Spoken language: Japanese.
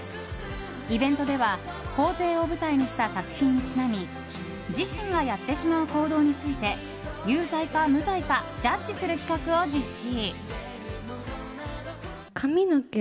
イベントでは法廷を舞台にした作品にちなみ自身がやってしまう行動について有罪か無罪かジャッジする企画を実施。